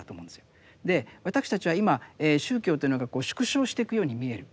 私たちは今宗教というのがこう縮小していくように見える。